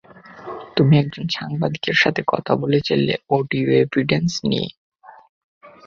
তুমি একজন সাংবাদিকের কথা বলেছিলে অডিও এভিডেন্স নিয়ে।